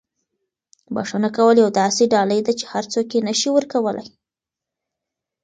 بښنه کول یوه داسې ډالۍ ده چې هر څوک یې نه شي ورکولی.